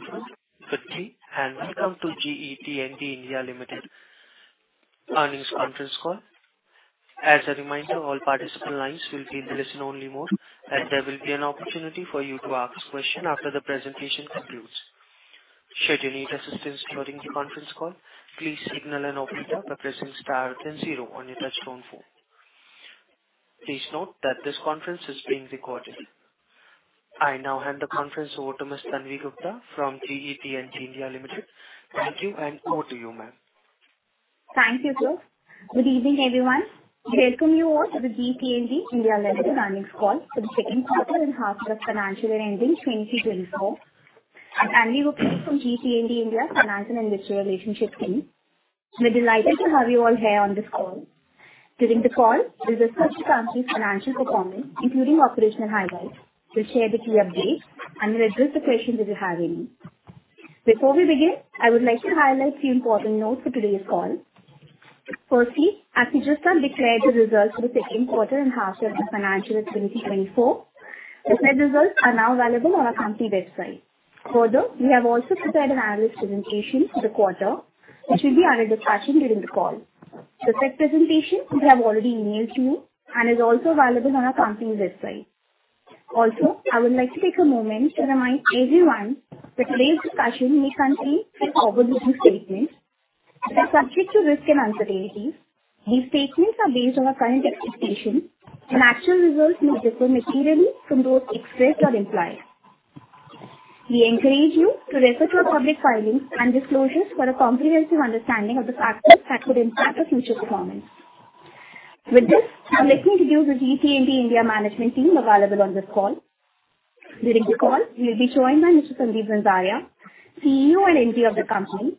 Ladies and gentlemen, good evening, and welcome to GE T&D India Limited earnings conference call. As a reminder, all participant lines will be in listen-only mode, and there will be an opportunity for you to ask questions after the presentation concludes. Should you need assistance during the conference call, please signal an operator by pressing star then zero on your touchtone phone. Please note that this conference is being recorded. I now hand the conference over to Ms. Tanvi Gupta from GE T&D India Limited. Thank you, and over to you, ma'am. Thank you, sir. Good evening, everyone. We welcome you all to the GE T&D India Limited earnings call for the second quarter and half year of financial year ending 2024. I'm Tanvi Gupta from GE T&D India Finance and Investor Relationship Team. We're delighted to have you all here on this call. During the call, we'll discuss the company's financial performance, including operational highlights. We'll share the key updates and we'll address the questions if you have any. Before we begin, I would like to highlight few important notes for today's call. Firstly, as we just declared the results for the second quarter and half year of the financial year ending 2024, the said results are now available on our company website. Further, we have also prepared an analyst presentation for the quarter, which will be under discussion during the call. The said presentation, we have already emailed to you and is also available on our company website. Also, I would like to take a moment to remind everyone that today's discussion may contain forward-looking statements that are subject to risk and uncertainty. These statements are based on our current expectations, and actual results may differ materially from those expressed or implied. We encourage you to refer to our public filings and disclosures for a comprehensive understanding of the factors that could impact our future performance. With this, I would like to introduce the GE T&D India management team available on this call. During the call, we'll be joined by Mr. Sandeep Zanzaria, CEO and MD of the company.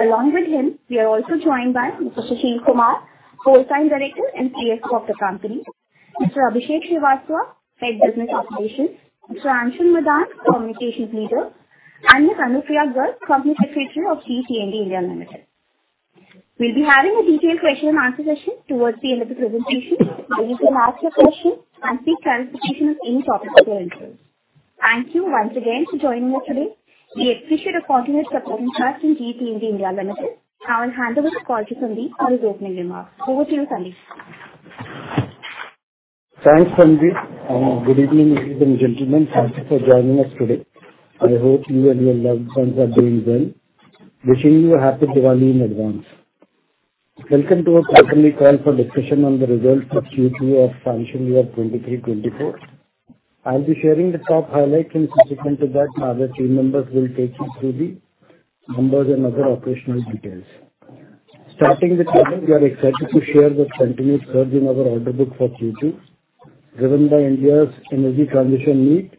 Along with him, we are also joined by Mr. Sushil Kumar, Whole-time Director and CFO of the company, Mr. Abhishek Srivastava, Head, Business Operations, Mr. Anshul Madan, Communications Leader, and Ms. Anupriya Garg, Company Secretary of GE T&D India Limited. We'll be having a detailed question and answer session towards the end of the presentation, where you can ask your questions and seek clarifications any topic of your interest. Thank you once again for joining us today. We appreciate your continuous support in GE T&D India Limited. I will hand over the call to Sandeep for his opening remarks. Over to you, Sandeep. Thanks, Tanvi, and good evening, ladies and gentlemen. Thank you for joining us today. I hope you and your loved ones are doing well. Wishing you a happy Diwali in advance. Welcome to our quarterly call for discussion on the results of Q2 of financial year 2023-2024. I'll be sharing the top highlights, and subsequent to that, my other team members will take you through the numbers and other operational details. Starting the call, we are excited to share the continuous surge in our order book for Q2, driven by India's energy transition need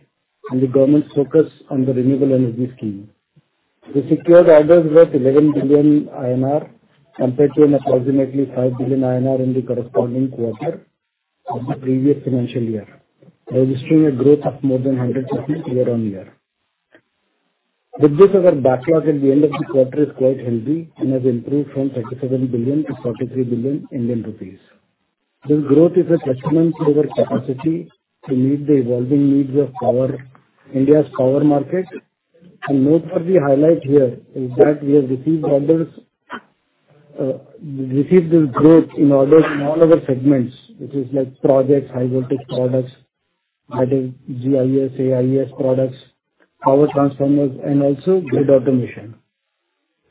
and the government's focus on the renewable energy scheme. We secured orders worth 11 billion INR, compared to an approximately 5 billion INR in the corresponding quarter of the previous financial year, registering a growth of more than 100% year-on-year. With this, our backlog at the end of the quarter is quite healthy and has improved from 37 billion to 43 billion Indian rupees. This growth is a testament to our capacity to meet the evolving needs of power, India's power market. Note what we highlight here is that we have received orders, received this growth in orders in all our segments, which is like projects, high voltage products, that is GIS, AIS products, power transformers, and also grid automation.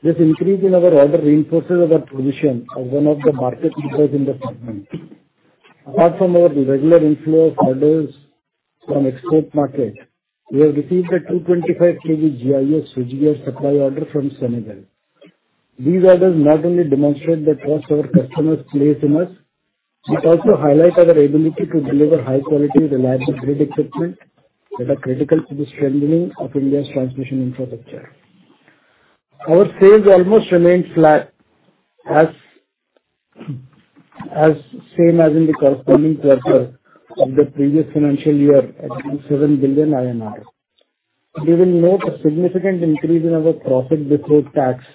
This increase in our order reinforces our position as one of the market leaders in the segment. Apart from our regular inflows orders from export market, we have received a 225 kV GIS switchgear supply order from Senegal These orders not only demonstrate the trust our customers place in us, it also highlights our ability to deliver high quality, reliable grid equipment that are critical to the strengthening of India's transmission infrastructure. Our sales almost remained flat as the same as in the corresponding quarter of the previous financial year, at 7 billion INR. We will note a significant increase in our profit before tax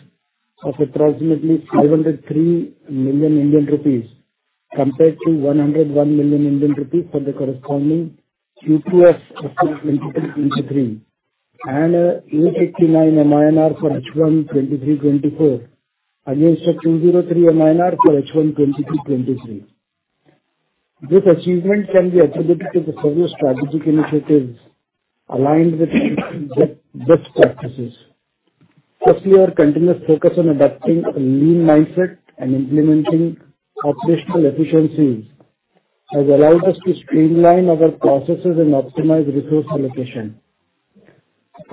of approximately 503 million Indian rupees, compared to 101 million Indian rupees for the corresponding Q2 of 2023, and 859 million for H1 2023-2024, against INR 203 million for H1 2022-2023. This achievement can be attributed to the several strategic initiatives aligned with best practices. First, our continuous focus on adapting a Lean mindset and implementing operational efficiencies has allowed us to streamline our processes and optimize resource allocation.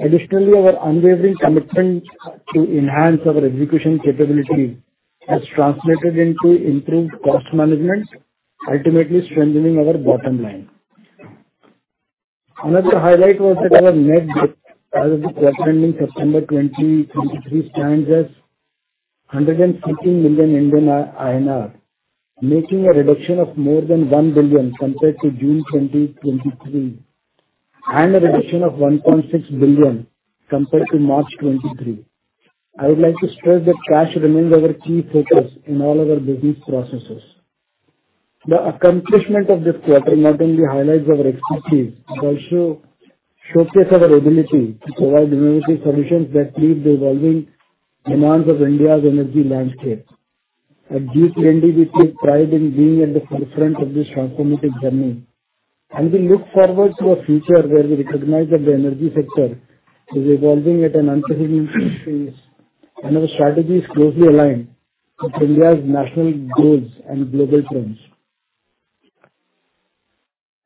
Additionally, our unwavering commitment to enhance our execution capability has translated into improved cost management, ultimately strengthening our bottom line. Another highlight was that our net debt as of the quarter ending September 2023 stands as INR 150 million, making a reduction of more than INR 1 billion compared to June 2023, and a reduction of INR 1.6 billion compared to March 2023. I would like to stress that cash remains our key focus in all our business processes.… The accomplishment of this quarter not only highlights our expertise, but also showcase our ability to provide innovative solutions that meet the evolving demands of India's energy landscape. At GE T&D, we take pride in being at the forefront of this transformative journey, and we look forward to a future where we recognize that the energy sector is evolving at an unprecedented pace, and our strategy is closely aligned with India's national goals and global trends.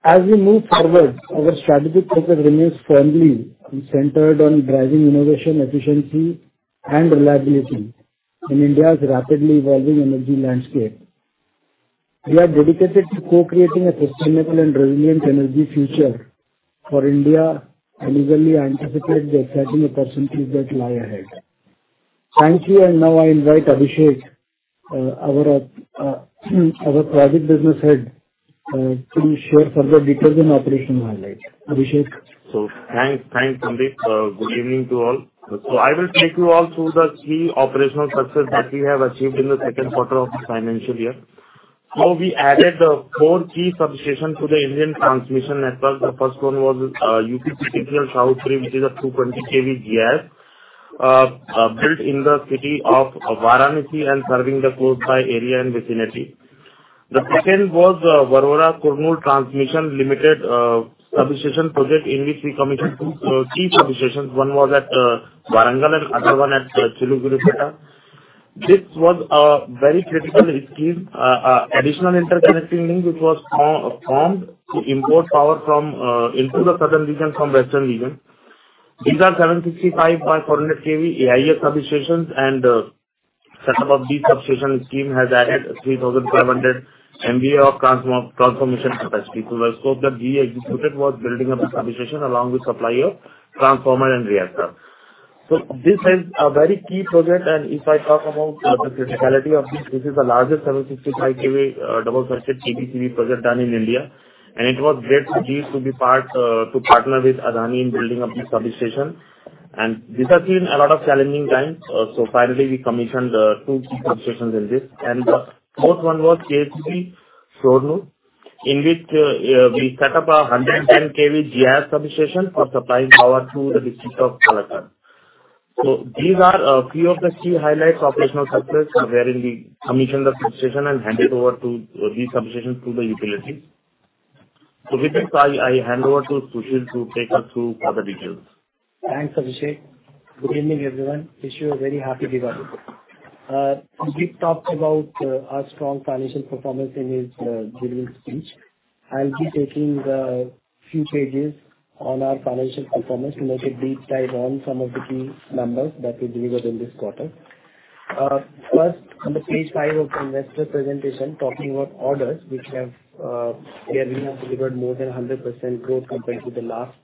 As we move forward, our strategic focus remains firmly and centered on driving innovation, efficiency, and reliability in India's rapidly evolving energy landscape. We are dedicated to co-creating a sustainable and resilient energy future for India, and eagerly anticipate the exciting opportunities that lie ahead. Thank you, and now I invite Abhishek, our Project Business Head, to share further details and operational highlights. Abhishek? So thanks, thanks, Sandeep. Good evening to all. So I will take you all through the key operational success that we have achieved in the second quarter of the financial year. So we added the four key substation to the Indian transmission network. The first one was UPCL Sahupuri, which is a 200 kV GIS, built in the city of Varanasi and serving the close by area and vicinity. The second was Warora Kurnool Transmission Limited, substation project, in which we commissioned two key substations. One was at Warangal and other one at Chilakaluripeta. This was a very critical scheme, additional interconnecting link, which was formed to import power from into the southern region from western region. These are 765 kV by 400 kV AIS substations, and set up of these substation scheme has added 3,500 MVA of transformation capacity. So the scope that we executed was building up the substation along with supplier, transformer and reactor. So this is a very key project, and if I talk about the criticality of this, this is the largest 765 kV double circuit HVDC project done in India, and it was great to GE to be part to partner with Adani in building up this substation. And this has been a lot of challenging times. So finally, we commissioned two key substations in this. And the fourth one was [KTP Kurnool], in which we set up a 110 kV GIS substation for supplying power to the district of Nalgonda. These are a few of the key highlights, operational success, wherein we commission the substation and hand it over to these substations, to the utility. With this, I hand over to Sushil to take us through further details. Thanks, Abhishek. Good evening, everyone. Wish you a very happy Diwali. Sandeep talked about our strong financial performance during his speech. I'll be taking few pages on our financial performance to make a deep dive on some of the key numbers that we delivered in this quarter. First, on page five of the investor presentation, talking about orders, which have here we have delivered more than 100% growth compared to the last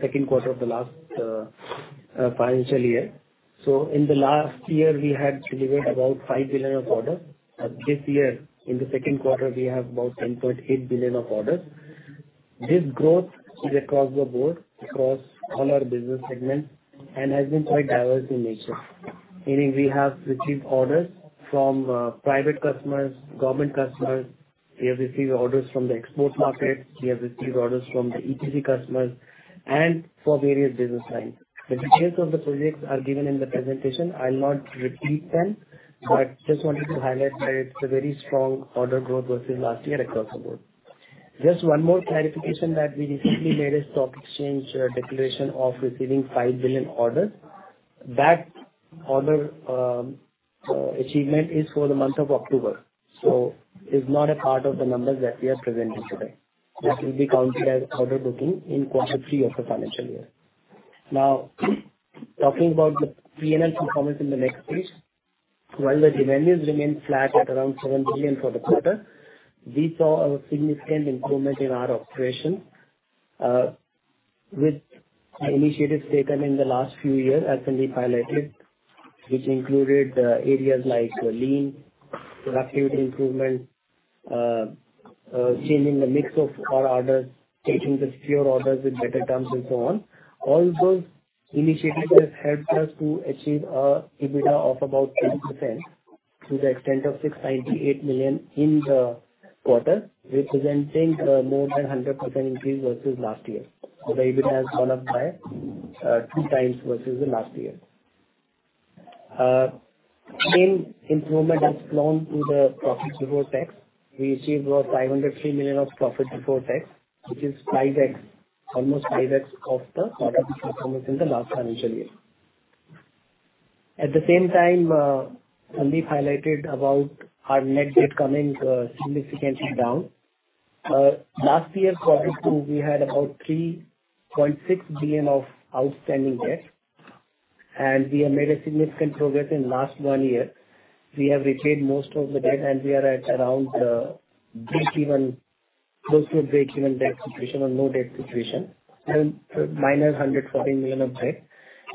second quarter of the last financial year. In the last year, we had delivered about 5 billion of orders. But this year, in the second quarter, we have about 10.8 billion of orders. This growth is across the board, across all our business segments, and has been quite diverse in nature, meaning we have received orders from private customers, government customers, we have received orders from the export market, we have received orders from the EPC customers, and for various business lines. The details of the projects are given in the presentation. I'll not repeat them, but just wanted to highlight that it's a very strong order growth versus last year across the board. Just one more clarification that we recently made a stock exchange declaration of receiving 5 billion orders. That order achievement is for the month of October, so it's not a part of the numbers that we are presenting today. That will be counted as order booking in quarter three of the financial year. Now, talking about the P&L performance in the next page. While the revenues remained flat at around 7 billion for the quarter, we saw a significant improvement in our operations, with initiatives taken in the last few years, as Sandeep highlighted, which included, areas like lean, productivity improvement, changing the mix of our orders, taking the pure orders with better terms, and so on. All those initiatives has helped us to achieve a EBITDA of about 10%, to the extent of 698 million in the quarter, representing, more than 100% increase versus last year. So the EBITDA has gone up by, 2x versus the last year. Same improvement has flown to the profit before tax. We achieved about 503 million of profit before tax, which is 5x, almost 5x of the product performance in the last financial year. At the same time, Sandeep highlighted about our net debt coming significantly down. Last year, quarter two, we had about 3.6 billion of outstanding debt, and we have made a significant progress in last one year. We have retained most of the debt, and we are at around breakeven, close to a breakeven debt situation or no debt situation, and -114 million of debt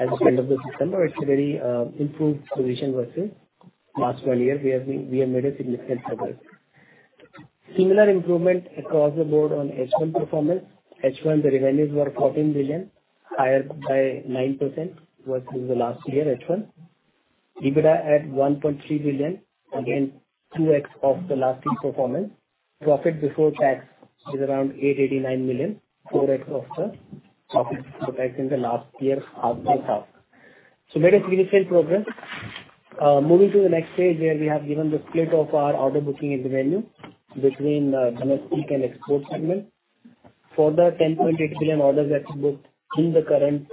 at the end of the December. It's a very improved position versus last one year. We have made a significant progress. Similar improvement across the board on H1 performance. H1, the revenues were 14 billion, higher by 9% versus the last year H1. EBITDA at 1.3 billion, again, 2x of the last year performance. Profit before tax is around 889 million, 4x of the profit before tax in the last year, half by half. So made a significant progress. Moving to the next page, where we have given the split of our order booking and revenue between, domestic and export segment. For the 10.8 billion orders that we booked in the current,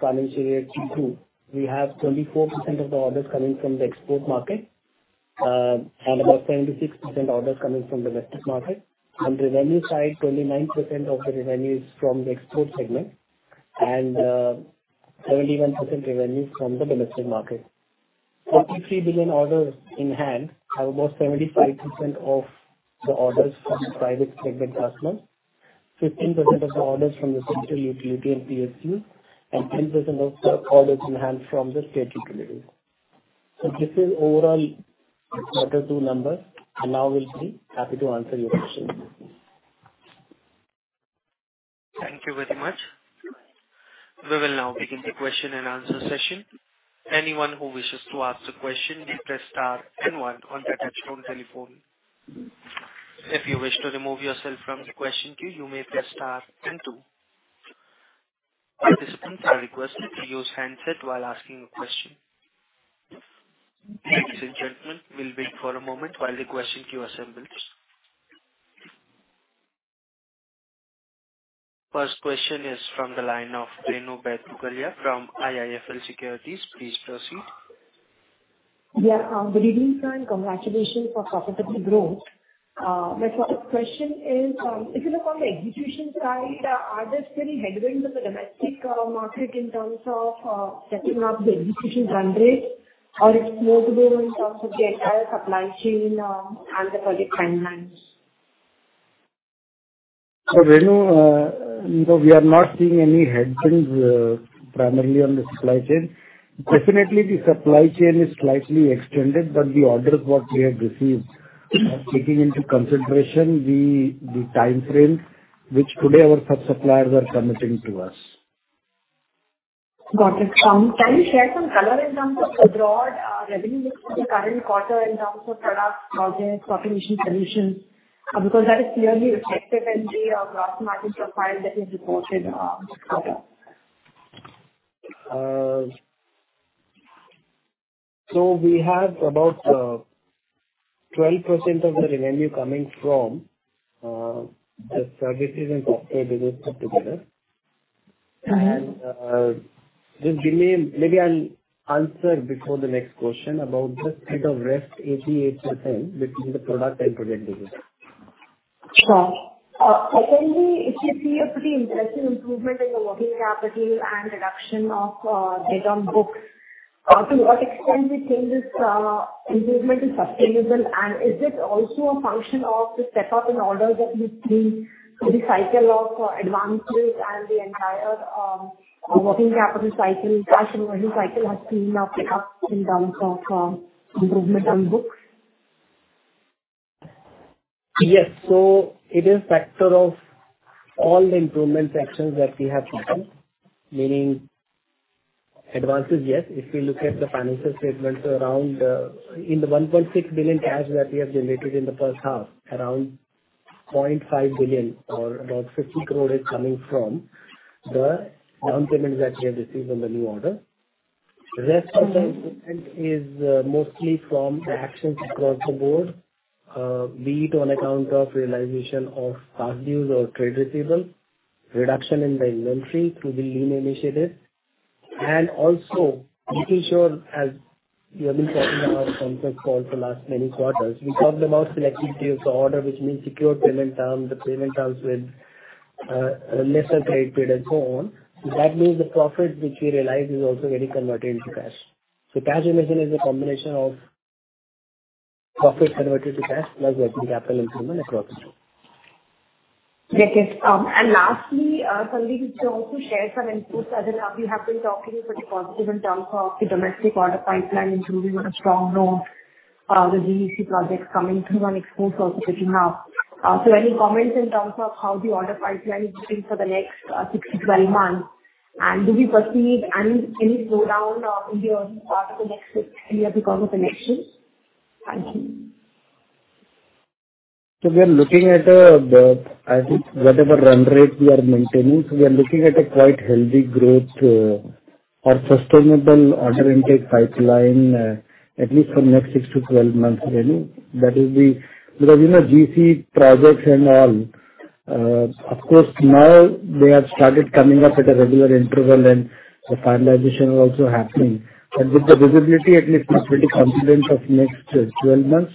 financial year, T2, we have 24% of the orders coming from the export market, and about 76% orders coming from the domestic market. On the revenue side, 29% of the revenue is from the export segment and, 71% revenue from the domestic market. 43 billion orders in hand, have about 75% of the orders from the private segment customers, 15% of the orders from the central utility and PSU, and 10% of the orders in hand from the state utility. So this is overall quarter two numbers, and now we'll be happy to answer your questions. Thank you very much. We will now begin the question and answer session. Anyone who wishes to ask a question, you press star then one on the touchtone telephone. If you wish to remove yourself from the question queue, you may press star then two. All participants are requested to use handset while asking a question. Ladies and gentlemen, we'll wait for a moment while the question queue assembles. First question is from the line of Renu Baid Pugalia from IIFL Securities. Please proceed. Yeah, good evening, sir, and congratulations for profitable growth. My first question is, if you look on the execution side, are there any headwinds on the domestic market in terms of setting up the execution run rate, or it's more to do in terms of the entire supply chain and the project timelines? Renu, no, we are not seeing any headwinds, primarily on the supply chain. Definitely, the supply chain is slightly extended, but the orders what we have received are taking into consideration the, the time frame, which today our sub-suppliers are committing to us. Got it. Can you share some color in terms of the broad revenue mix for the current quarter in terms of products, projects, population solutions? Because that is clearly reflected in the gross margin profile that you reported quarter. We have about 12% of the revenue coming from the services and software business put together. Uh-huh. Maybe I'll answer before the next question about the split of rest 88% between the product and project business. Sure. Secondly, we see a pretty interesting improvement in the working capital and reduction of debt on books. To what extent we think this improvement is sustainable, and is it also a function of the setup in order that we see the cycle of advances and the entire working capital cycle, cash flowing cycle has seen a pickup in terms of improvement on books? Yes. So it is factor of all the improvement actions that we have taken, meaning advances, yes. If we look at the financial statement around in the 1.6 billion cash that we have generated in the first half, around 0.5 billion or about 50 crore is coming from the down payments that we have received on the new order. Mm-hmm. Rest of the improvement is mostly from the actions across the board, be it on account of realization of past dues or credit receivable, reduction in the inventory through the Lean initiative, and also making sure, as you have been talking about con call for last many quarters, we talked about selectivity of the order, which means secure payment terms, the payment terms with lesser credit period, and so on. That means the profit which we realize is also getting converted into cash. So cash generation is a combination of profit converted to cash, plus working capital improvement across the board. Yeah, yes. Lastly, Sandeep, could you also share some inputs, as you have been talking pretty positive in terms of the domestic order pipeline improving on a strong note, the GEC projects coming through on exposure that you have. So any comments in terms of how the order pipeline is looking for the next six to 12 months? And do we foresee any slowdown in the order over the next six years because of the elections? Thank you. So we are looking at, I think, whatever run-rate we are maintaining, so we are looking at a quite healthy growth, or sustainable order intake pipeline, at least for next six to 12 months revenue. That is because, you know, GEC projects and all, of course, now they have started coming up at a regular interval and the finalization is also happening. But with the visibility, at least we're pretty confident of next 12 months,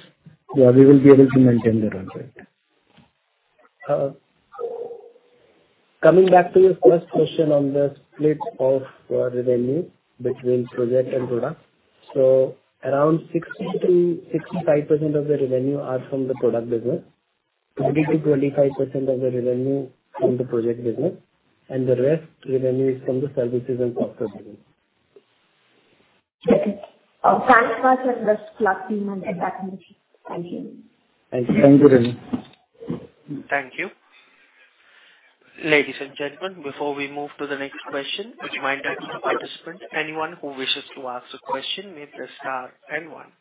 yeah, we will be able to maintain the run rate. Coming back to your first question on the split of revenue between project and product. So around 60%-65% of the revenue are from the product business, 20%-25% of the revenue from the project business, and the rest revenue is from the services and software business. Okay. Thanks for this clarity and that information. Thank you. Thank you, Renu. Thank you. Ladies and gentlemen, before we move to the next question, a reminder to the participant, anyone who wishes to ask a question, may press star then one.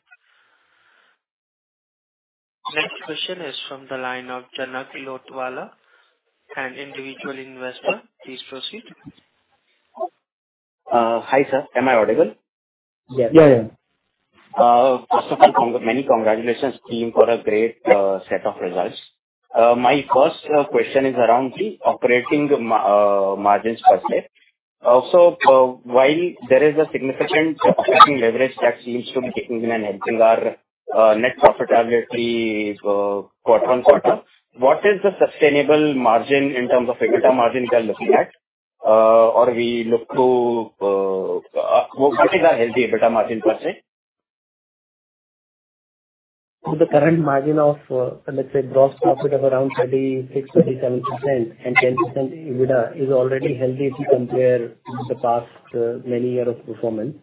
Next question is from the line of Janak Lotwala, an individual investor. Please proceed. Hi, sir. Am I audible? Yeah. Yeah, yeah. First of all, many congratulations, team, for a great set of results. My first question is around the operating margins per se. Also, while there is a significant operating leverage that seems to be kicking in and helping our net profitability, quarter-on-quarter, what is the sustainable margin in terms of EBITDA margin we are looking at? Or we look to, what is our healthy EBITDA margin per se? So the current margin of, let's say, gross profit of around 36%-37% and 10% EBITDA, is already healthy if you compare the past, many year of performance.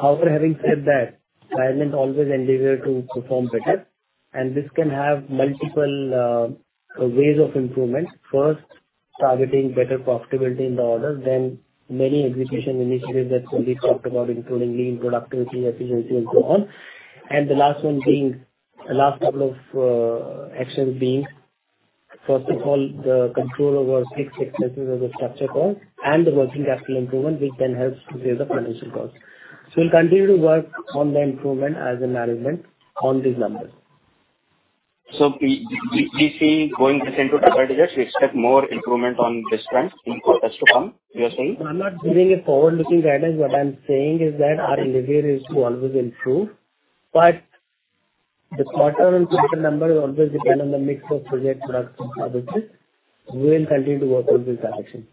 However, having said that, management always endeavor to perform better, and this can have multiple, ways of improvement. First, targeting better profitability in the order, then many execution initiatives that Sandeep talked about, including lean productivity, efficiency, and so on. And the last one being, the last couple of, actions being, first of all, the control over fixed expenses as a structure cost and the working capital improvement, which then helps to save the financial cost. So we'll continue to work on the improvement as a management on these numbers. So we see going this into double digits, we expect more improvement on this front in quarters to come, you are saying? I'm not giving a forward-looking guidance. What I'm saying is that our endeavor is to always improve, but the quarter and quarter number always depend on the mix of project products and other things. We will continue to work on this direction.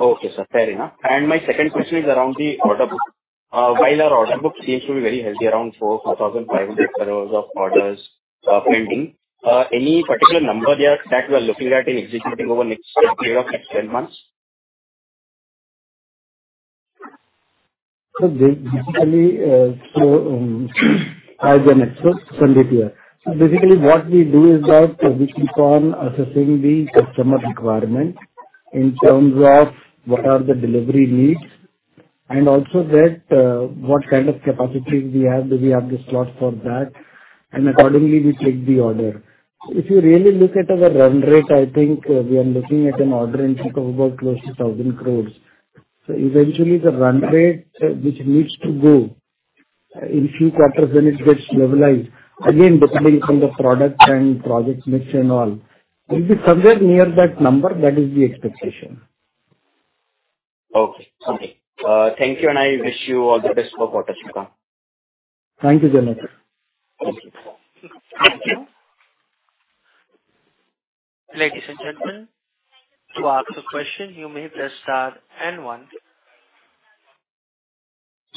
Okay, sir. Fair enough. My second question is around the order book. While our order book seems to be very healthy, around 4,450 crores of orders pending, any particular number there that we are looking at in executing over next period of 10 months? So basically, so, as an expert, Sandeep here. So basically, what we do is that we keep on assessing the customer requirement in terms of what are the delivery leads, and also that, what kind of capacities we have, do we have the slots for that? And accordingly, we take the order. If you really look at our run rate, I think, we are looking at an order intake of about close to 1,000 crores. So eventually, the run rate, which needs to go, in few quarters when it gets levelized, again, depending on the product and project mix and all, it'll be somewhere near that number. That is the expectation. Okay. Okay. Thank you, and I wish you all the best for quarter three. Thank you, Janak. Thank you. Thank you. Ladies and gentlemen, to ask a question, you may press star then one.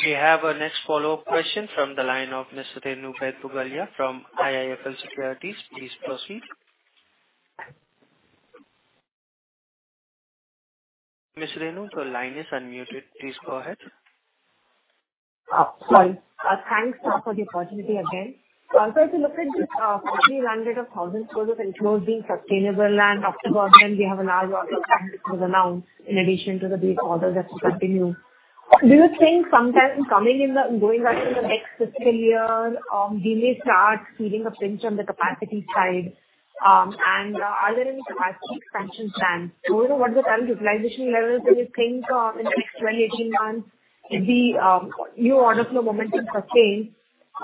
We have our next follow-up question from the line of Ms. Renu Baid Pugalia from IIFL Securities. Please proceed. Ms. Renu, your line is unmuted. Please go ahead. Sorry. Thanks, sir, for the opportunity again. Sir, to look at the 50,000 crore order book being sustainable and afterwards, then we have a large order that was announced in addition to the big orders that will continue. Do you think sometime coming in the going forward in the next fiscal year, delays start feeling a pinch on the capacity side? And are there any capacity expansion plans? So we know what the current utilization levels, do you think in the next 12, 18 months, if the new order flow momentum sustains,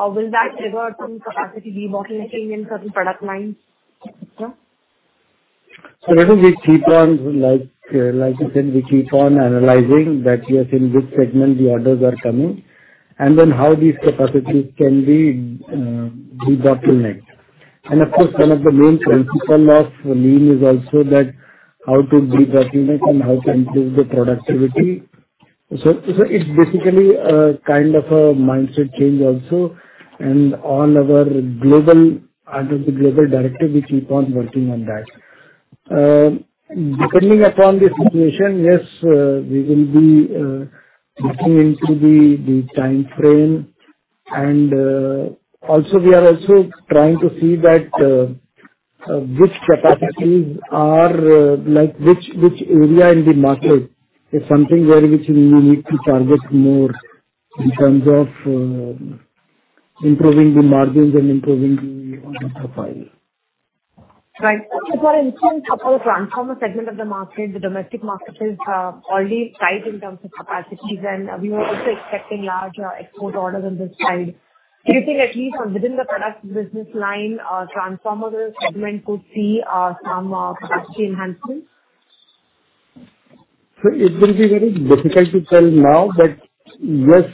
will that trigger some capacity bottlenecking in certain product lines? Sir. So Renu, we keep on like, like I said, we keep on analyzing that yes, in which segment the orders are coming, and then how these capacities can be bottlenecked. Of course, one of the main principle of Lean is also that how to bottleneck and how to increase the productivity. So it's basically a kind of a mindset change also, and on our global, under the global directive, we keep on working on that. Depending upon the situation, yes, we will be looking into the time frame. Also we are also trying to see that which capacities are like which area in the market is something where we need to target more in terms of improving the margins and improving the order profile. Right. So for instance, suppose transformer segment of the market, the domestic market is already tight in terms of capacities, and we were also expecting large export orders on this side. Do you think at least within the product business line, transformer segment could see some capacity enhancements? It will be very difficult to tell now, but yes,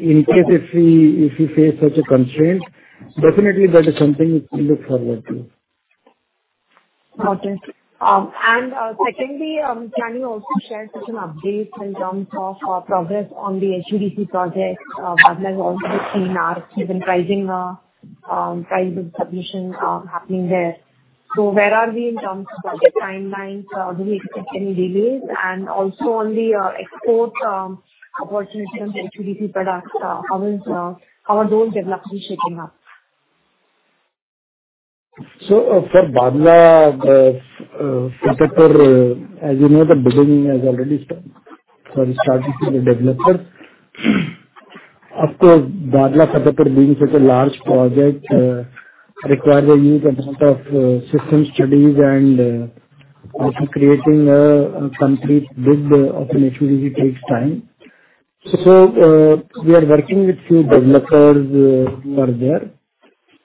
in case if we, if we face such a constraint, definitely that is something we look forward to. Okay. Can you also share us an update in terms of progress on the HVDC project, as well as all the three [NARC]—even pricing, kind of submission, happening there. Where are we in terms of the timelines? Do we expect any delays? Also on the export opportunities and products, how are those developments shaping up? So, for Bhadla, as you know, the building has already started, so we started with the developers. Of course, Bhadla being such a large project, require a huge amount of, system studies and, also creating a complete bid of an HVDC takes time. So, we are working with few developers, who are there.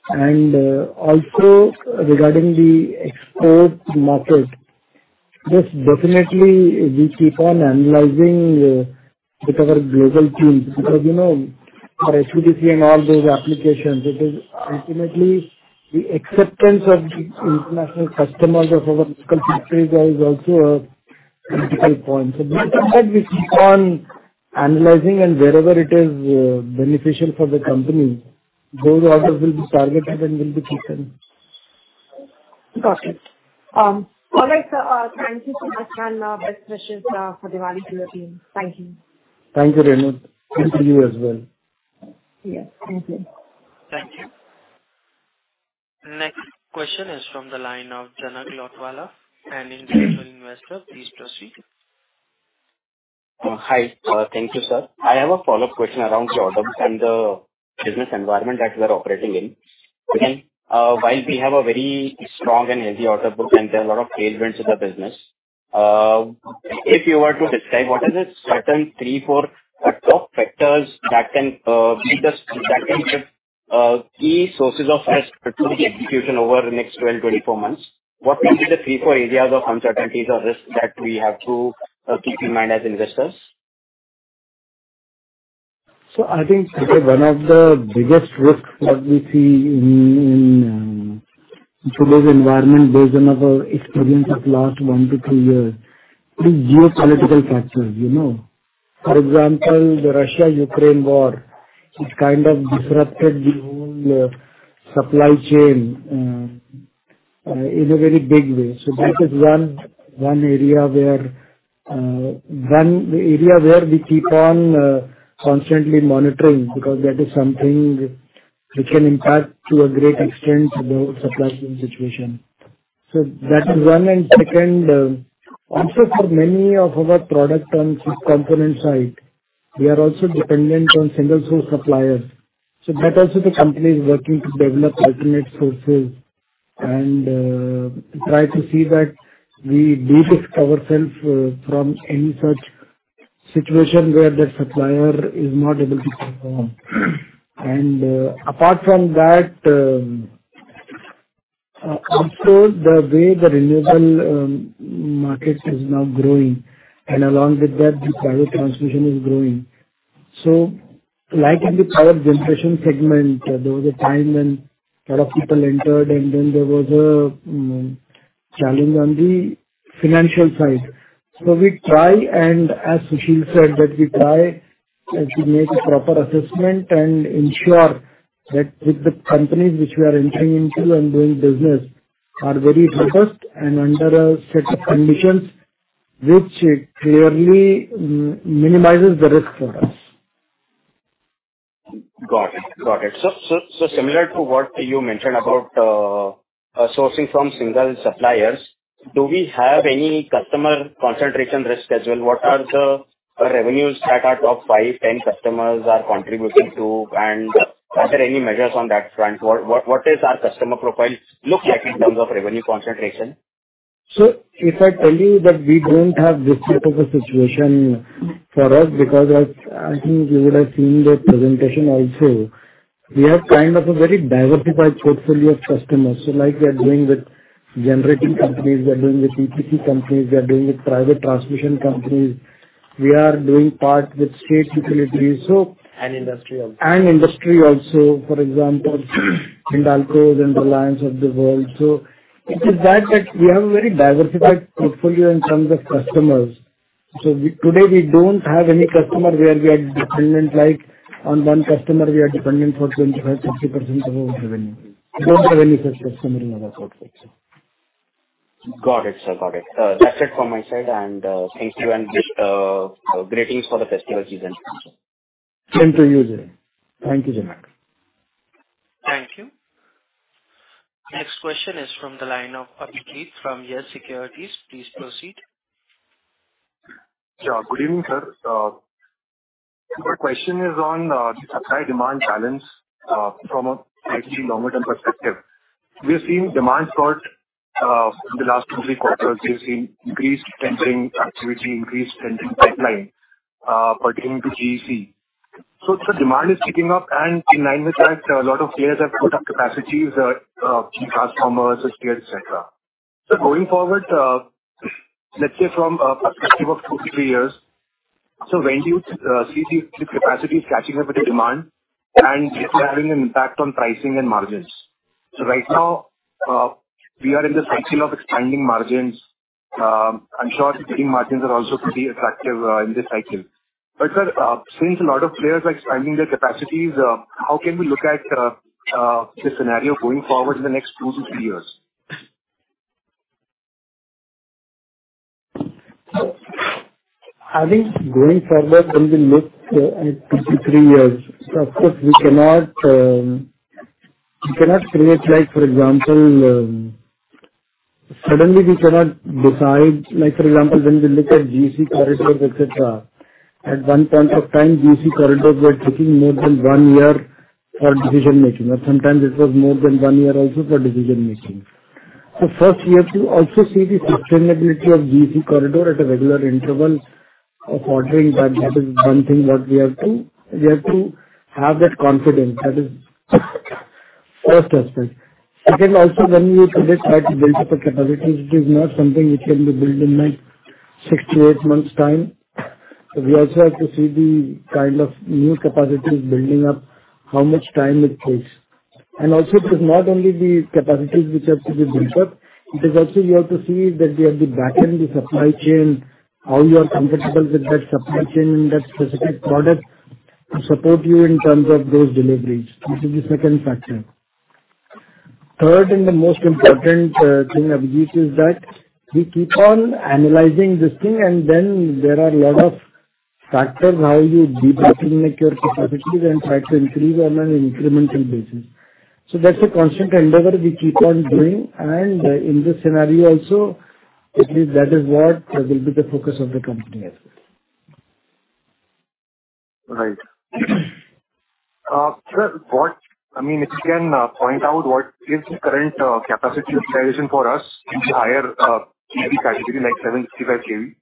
And, also regarding the export market, this definitely we keep on analyzing, with our global teams. Because, you know, for HVDC and all those applications, it is ultimately the acceptance of the international customers of our local factories is also a critical point. So that we keep on analyzing, and wherever it is, beneficial for the company, those orders will be targeted and will be kept in. Got it. All right, sir, thank you so much, and best wishes for Diwali to your team. Thank you. Thank you, Renu. Thanks to you as well. Yes, thank you. Thank you. Next question is from the line of Janak Lotwala, an individual investor. Please proceed. Hi. Thank you, sir. I have a follow-up question around the orders and the business environment that we're operating in. While we have a very strong and healthy order book, and there are a lot of tailwinds in the business, if you were to describe what is it certain three, four top factors that can be key sources of risk to the execution over the next 12, 24 months, what will be the three, four areas of uncertainties or risks that we have to keep in mind as investors? So I think one of the biggest risks that we see in today's environment, based on our experience of last one to two years, is geopolitical factors, you know. For example, the Russia-Ukraine war, which kind of disrupted the whole supply chain in a very big way. So that is one area where we keep on constantly monitoring, because that is something which can impact to a great extent, the supply chain situation. So that is one. And second, also for many of our product on chip component side, we are also dependent on single source suppliers. So that also the company is working to develop alternate sources and try to see that we de-risk ourselves from any such situation where the supplier is not able to perform. Apart from that, also, the way the renewable market is now growing, and along with that, the private transmission is growing. So like in the power generation segment, there was a time when a lot of people entered, and then there was a challenge on the financial side. So we try, and as Sushil said, that we try and we make a proper assessment and ensure that with the companies which we are entering into and doing business are very robust and under a set of conditions which it clearly minimizes the risk for us. Got it. Got it. So similar to what you mentioned about sourcing from single suppliers, do we have any customer concentration risk as well? What are the revenues that our top five, 10 customers are contributing to? And are there any measures on that front? What does our customer profile look like in terms of revenue concentration? So if I tell you that we don't have this type of a situation for us, because as I think you would have seen the presentation also, we have kind of a very diversified portfolio of customers. So like we are doing with generating companies, we are doing with EPC companies, we are doing with private transmission companies, we are doing part with state utilities, so- Industry also. Industry also, for example, Hindalco and Reliance of the world. So it is that we have a very diversified portfolio in terms of customers. So, today we don't have any customer where we are dependent, like on one customer, we are dependent for 25%-30% of our revenue. We don't have any such customer in our portfolio. Got it, sir. Got it. That's it from my side, and thank you and greetings for the festival season. Thank you, Janak. Thank you, Janak. Thank you. Next question is from the line of Abhijit from Yes Securities. Please proceed. Yeah. Good evening, sir. My question is on the supply-demand balance from a slightly longer term perspective. We've seen demand for the last two, three quarters, we've seen increased tendering activity, increased tendering pipeline pertaining to GEC. So the demand is picking up, and in line with that, a lot of players have put up capacities key customers, players, et cetera. So going forward, let's say from a perspective of two to three years, so when do you see the capacity catching up with the demand and it's having an impact on pricing and margins? So right now, we are in the cycle of expanding margins. I'm sure the margins are also pretty attractive in this cycle. Sir, since a lot of players are expanding their capacities, how can we look at the scenario going forward in the next two to three years? I think going forward in the next two to three years, of course, we cannot, we cannot create, like, for example, suddenly we cannot decide. Like, for example, when we look at GEC corridors, etc., at one point of time, GEC corridors were taking more than one year for decision making, or sometimes it was more than one year also for decision making. So first, we have to also see the sustainability of GEC corridor at a regular interval of ordering. That, that is one thing that we have to, we have to have that confidence. That is first aspect. Second, also, when we today try to build up a capacity, it is not something which can be built in, like, six to eight months time. So we also have to see the kind of new capacities building up, how much time it takes. Also, it is not only the capacities which have to be built up. It is also you have to see that we have the back end, the supply chain, how you are comfortable with that supply chain in that specific product to support you in terms of those deliveries. This is the second factor. Third, and the most important thing, Abhijit, is that we keep on analyzing this thing, and then there are a lot of factors how you debottleneck your capacities and try to increase on an incremental basis. So that's a constant endeavor we keep on doing, and in this scenario also, at least that is what will be the focus of the company as well. Right. Sir, what... I mean, if you can point out what is the current capacity utilization for us in the higher kV category, like 765 kV? Is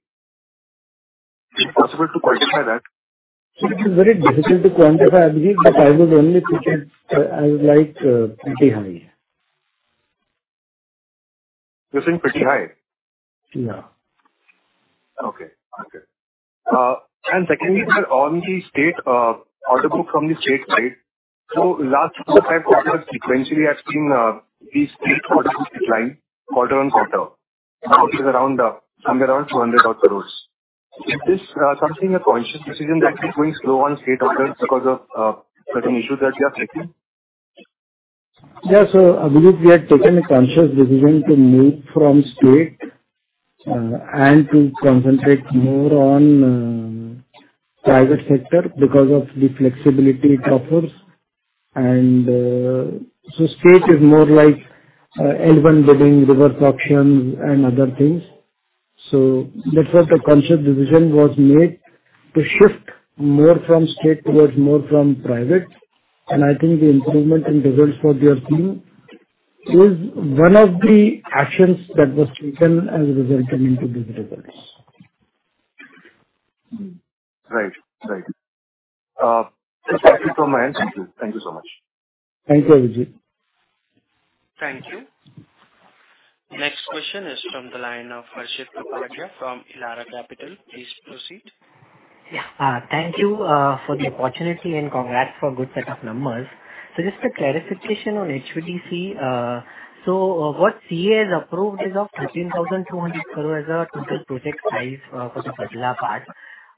it possible to quantify that? It is very difficult to quantify, Abhijit, but I would only say, I would like, pretty high. You're saying pretty high? Yeah. Okay. Secondly, sir, on the state order book from the state side, so last four to five quarters sequentially, I've seen the state sector decline quarter-over-quarter. Now it is around somewhere around 200 crores. Is this something a conscious decision that it's going slow on state orders because of certain issues that you are facing? Yeah. I believe we had taken a conscious decision to move from state and to concentrate more on private sector because of the flexibility it offers. State is more like L1 bidding, reverse auctions and other things. That's what a conscious decision was made, to shift more from state towards more from private. I think the improvement in results what we are seeing is one of the actions that was taken as a result into these results. Right. Right. Thank you for my answers. Thank you so much. Thank you, Abhijit. Thank you. Next question is from the line of Harshit Kapadia from Elara Capital. Please proceed. Yeah. Thank you for the opportunity and congrats for good set of numbers. So just a clarification on HVDC. What CEA has approved is of 13,200 crore as a total project size for the Bhadla part.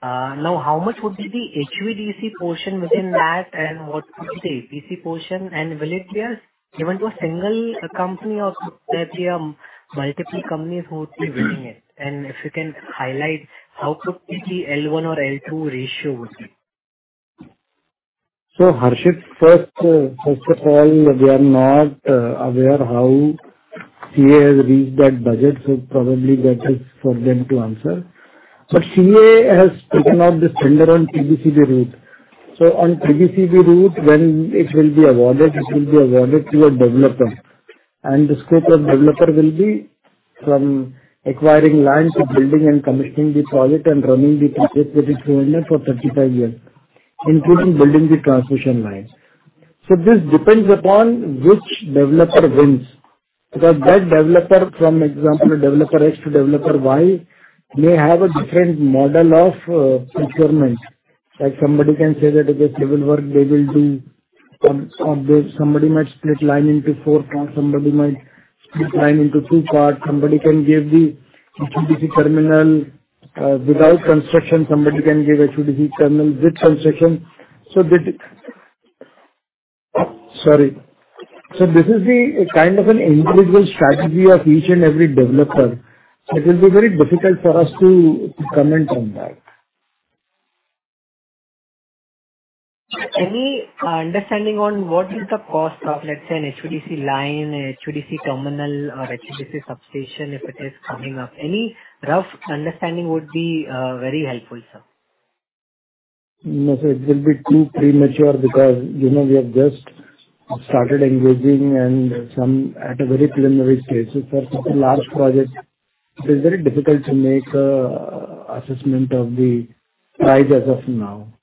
Now, how much would be the HVDC portion within that, and what would be the EPC portion? And will it be given to a single company or there be multiple companies who would be winning it? And if you can highlight, how quickly L1 or L2 ratio would be. So, Harshit, first, first of all, we are not aware how CEA has reached that budget, so probably that is for them to answer. But CEA has taken out this tender on TBCB route. So on TBCB route, when it will be awarded, it will be awarded to a developer, and the scope of developer will be from acquiring land to building and commissioning the project and running the project that is going on for 35 years, including building the transmission lines. So this depends upon which developer wins, because that developer, from example, developer X to developer Y, may have a different model of procurement. Like somebody can say that it is civil work, they will do, or somebody might split line into four parts, somebody might split line into two parts. Somebody can give the HVDC terminal without construction. Somebody can give HVDC terminal with construction. Sorry. So this is the kind of an individual strategy of each and every developer, so it will be very difficult for us to comment on that. Any understanding on what is the cost of, let's say, an HVDC line, a HVDC terminal, or HVDC substation, if it is coming up? Any rough understanding would be very helpful, sir. No, sir, it will be too premature because, you know, we have just started engaging and some at a very preliminary stage. So for such a large project, it is very difficult to make an assessment of the price as of now.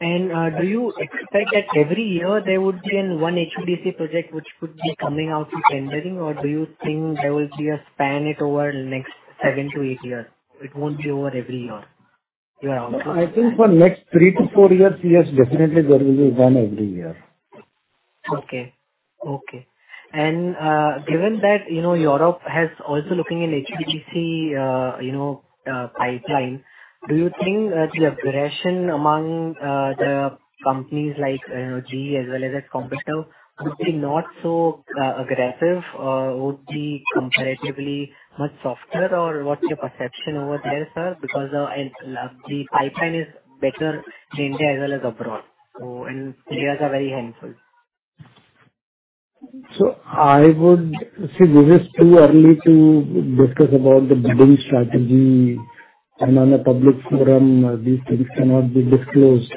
Do you expect that every year there would be one HVDC project which could be coming out to tendering, or do you think there will be a span it over the next seven to eight years, it won't be over every year? Yeah, I think for next three to four years, yes, definitely there will be one every year. Okay, okay. And, given that, you know, Europe has also looking in HVDC, you know, pipeline, do you think the aggression among the companies like GE as well as their competitor would be not so aggressive, or would be comparatively much softer? Or what's your perception over there, sir? Because the pipeline is better in India as well as abroad, so and areas are very helpful. So, I would see, this is too early to discuss about the bidding strategy, and on a public forum, these things cannot be disclosed.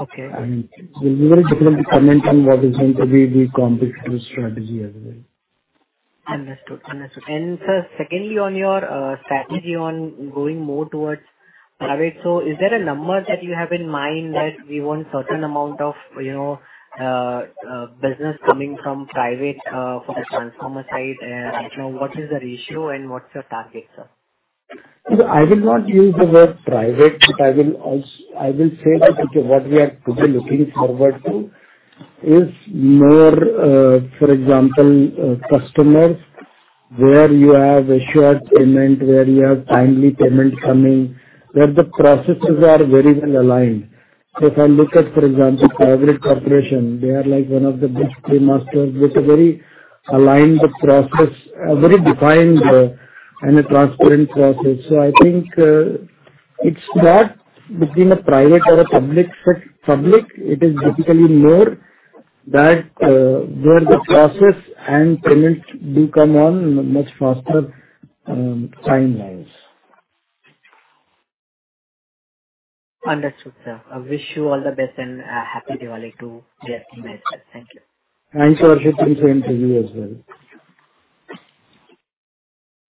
Okay. It will be very difficult to comment on what is going to be the competitive strategy as well. Understood, understood. And sir, secondly, on your strategy on going more towards private, so is there a number that you have in mind that we want certain amount of, you know, business coming from private, for the transformer side? Right now, what is the ratio and what's your target, sir? So I will not use the word private, but I will say that what we are currently looking forward to is more, for example, customers, where you have a short payment, where you have timely payment coming, where the processes are very well aligned. So if I look at, for example, private corporation, they are like one of the best play masters with a very aligned process, a very defined, and a transparent process. So I think, it's not between a private or a public, so public, it is typically more that, where the process and payments do come on much faster, timelines. Understood, sir. I wish you all the best and a Happy Diwali to the team as well. Thank you. Thanks for listening to interview as well.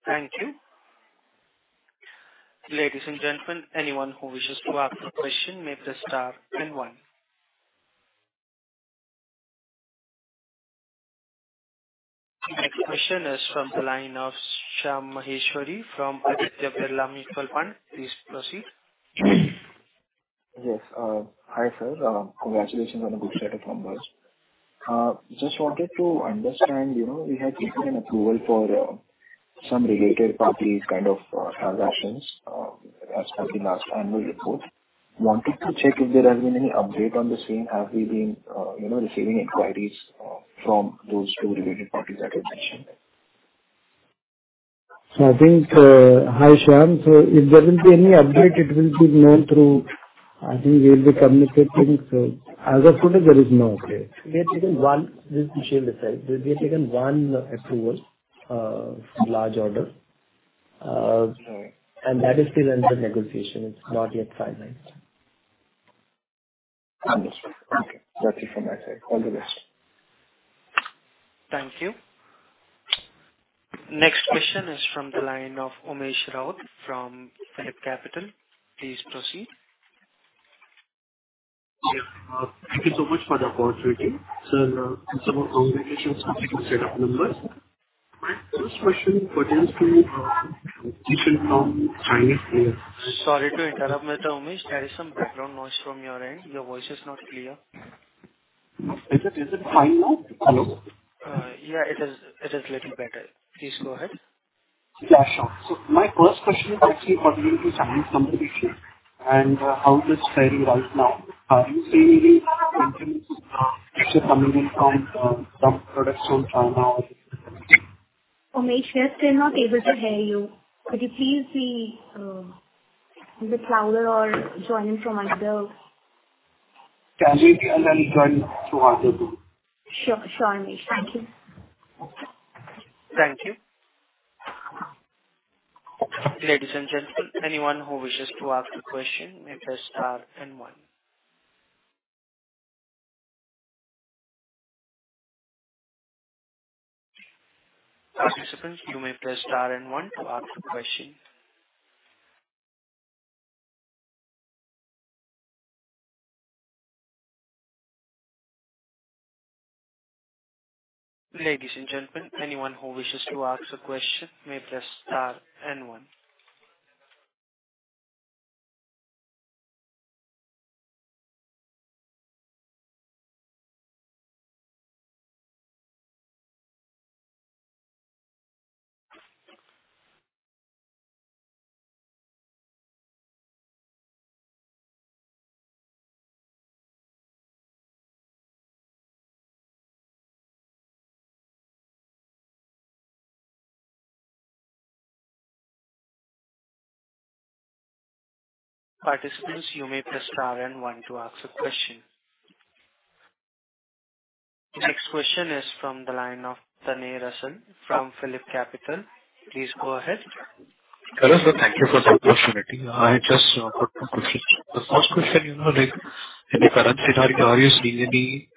Thank you. Ladies and gentlemen, anyone who wishes to ask a question may press star and one. The next question is from the line of Shyam Maheshwari from Aditya Birla Mutual Fund. Please proceed. Yes, hi, sir. Congratulations on a good set of numbers. Just wanted to understand, you know, we had taken an approval for some related party kind of transactions, as per the last annual report. Wanted to check if there has been any update on the same. Have we been, you know, receiving inquiries from those two related parties that you mentioned? So I think, Hi, Shyam. So if there will be any update, it will be known through, I think we'll be communicating. So as of today, there is no update. We have taken one. This is Vishal here. We have taken one approval for large order. Okay. And that is still under negotiation. It's not yet finalized. Understood. Okay, that's it from my side. All the best. Thank you. Next question is from the line of Umesh Raut from PhillipCapital. Please proceed. Yeah. Thank you so much for the opportunity. Sir, first of all, congratulations on your set of numbers. My first question pertains to competition from Chinese players. Sorry to interrupt, Umesh. There is some background noise from your end. Your voice is not clear. Is it, is it fine now? Hello. Yeah, it is a little better. Please go ahead. Yeah, sure. So my first question is actually pertaining to Chinese competition and, how it is faring right now. Are you seeing any improvements, coming in from products from China or- Umesh, we are still not able to hear you. Could you please be either louder or join in from another? Can I join to answer to? Sure, sure, Umesh. Thank you. Thank you. Ladies and gentlemen, anyone who wishes to ask a question, may press star and one. Participants, you may press star and one to ask a question. Ladies and gentlemen, anyone who wishes to ask a question may press star and one. Participants, you may press star and one to ask a question. The next question is from the line of Tanay Rasal from PhillipCapital. Please go ahead. Hello, sir. Thank you for the opportunity. I just have two questions. The first question, you know, like, in the current scenario, are you seeing any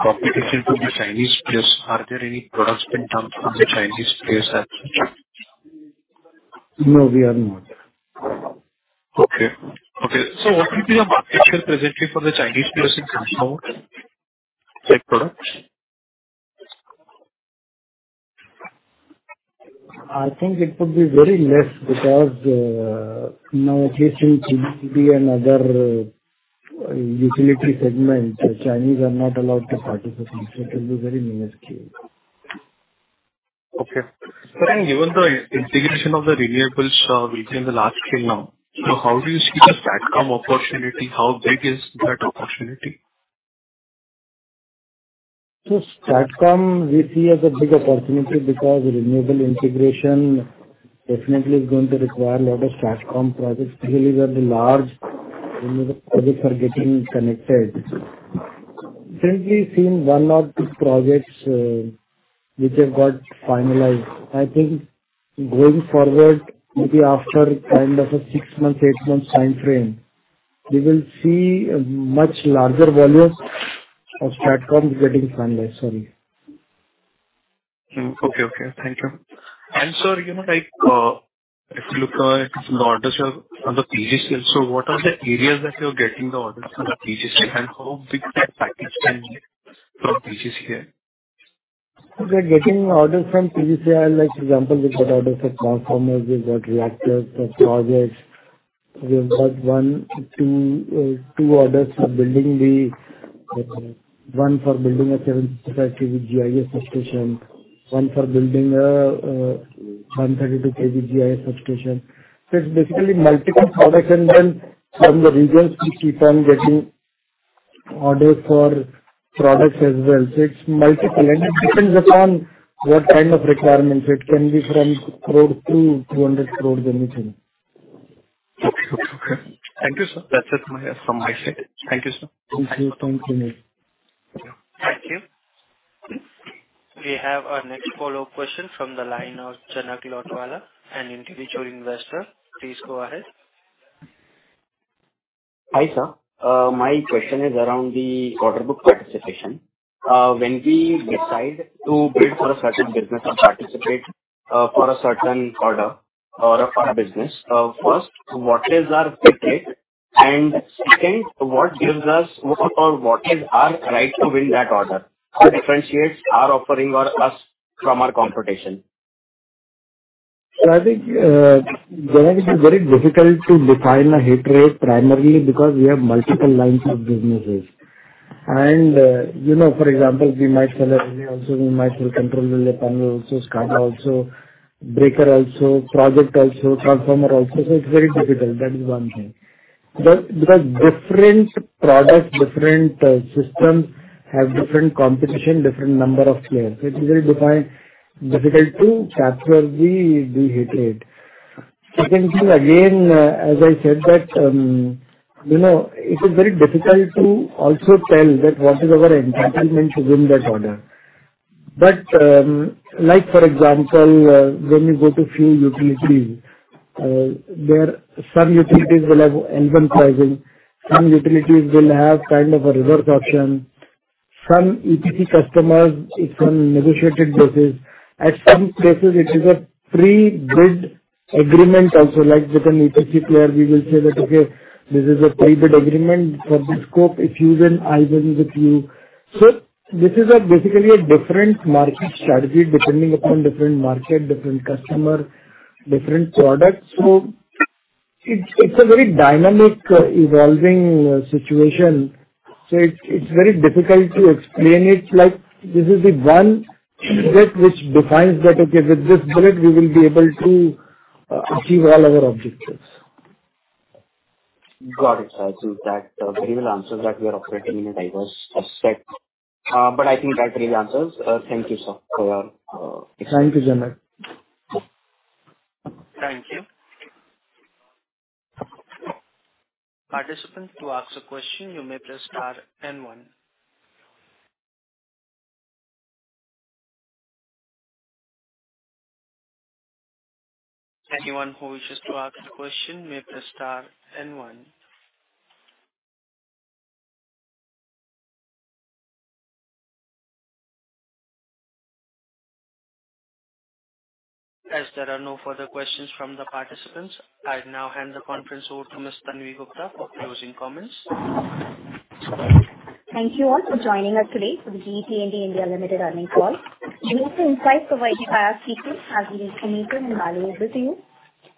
competition from the Chinese players? Are there any products been coming from the Chinese players as such? No, we are not. Okay. Okay, so what will be your market share presently for the Chinese players in transformer products? I think it would be very less because, in our case, in TBCB and other utility segments, Chinese are not allowed to participate, so it will be very minuscule. Okay. Sir, and given the integration of the renewables, which is in the large scale now, so how do you see the STATCOM opportunity? How big is that opportunity? So STATCOM, we see as a big opportunity because renewable integration definitely is going to require a lot of STATCOM projects, really, where the large renewable projects are getting connected. Recently, seen one or two projects, which have got finalized. I think going forward, maybe after kind of a six months, eight months time frame, we will see a much larger volumes of STATCOM getting finalized. Sorry. Okay, okay. Thank you. Sir, you know, like, if you look at the orders on the PGCIL, so what are the areas that you're getting the orders from the PGCIL, and how big that package can be from PGCIL? We're getting orders from PGCIL, like, for example, we've got orders for transformers, we've got reactors, for projects. We have got one, two, two orders for building the 1 for building a 75 kV GIS substation, one for building a 132 kV GIS substation. So it's basically multiple products, and then from the regionals, we keep on getting orders for products as well. So it's multiple, and it depends upon what kind of requirements. It can be from 1 crore to 200 crores, anything. Okay. Okay. Thank you, sir. That's it from my side. Thank you, sir. Thank you. Thank you. Thank you. We have our next follow-up question from the line of Janak Lotwala, an individual investor. Please go ahead. Hi, sir. My question is around the order book participation. When we decide to bid for a certain business or participate, for a certain order or for a business, first, what is our hit rate? And second, what gives us or what is our right to win that order? How differentiates our offering or us from our competition? So I think, Janak, it is very difficult to define a hit rate, primarily because we have multiple lines of businesses. And, you know, for example, we might sell a relay also, we might sell control panel also, SCADA also, breaker also, project also, transformer also. So it's very difficult. That is one thing. But because different products, different, systems have different competition, different number of players, so it is very difficult to capture the hit rate. Second thing, again, as I said, that, you know, it is very difficult to also tell that what is our entitlement to win that order. But, like, for example, when you go to few utilities, there some utilities will have L1 pricing, some utilities will have kind of a reverse auction, some EPC customers, it's on negotiated basis. At some places it is a pre-bid agreement also, like with an EPC player, we will say that, "Okay, this is a pre-bid agreement for this scope. If you win, I win with you." So this is basically a different market strategy depending upon different market, different customer, different products. So it's a very dynamic, evolving situation. So it's very difficult to explain it like this is the one bit which defines that, okay, with this bid we will be able to achieve all our objectives. Got it, sir. I think that's a very well answer, that we are operating in a diverse aspect, but I think that really answers. Thank you, sir, for your, Thank you, Janak. Thank you. Participants, to ask a question, you may press star then one. Anyone who wishes to ask a question may press star then one. As there are no further questions from the participants, I'll now hand the conference over to Ms. Tanvi Gupta for closing comments. Thank you all for joining us today for the GE Vernova T&D India Limited earnings call. We hope the insights provided by our speakers has been informative and valuable to you.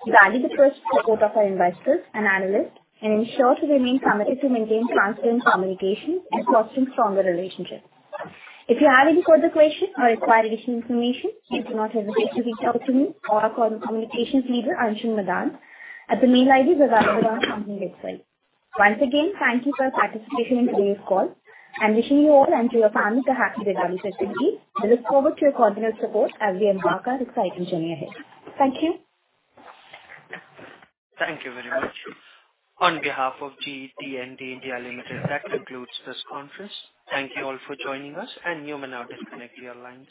We value the trust and support of our investors and analysts, and ensure to remain committed to maintain transparent communications and fostering stronger relationships. If you have any further questions or require additional information, please do not hesitate to reach out to me or our Communications Leader, Anshul Madan, at the mail ID available on company website. Once again, thank you for your participation in today's call, and wishing you all and to your family a happy Diwali festival. We look forward to your continuous support as we embark on this exciting journey ahead. Thank you. Thank you very much. On behalf of GE T&D India Limited, that concludes this conference. Thank you all for joining us, and you may now disconnect your lines.